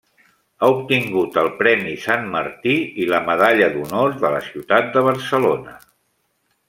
Ha obtingut el Premi Sant Martí i la Medalla d'Honor de la Ciutat de Barcelona.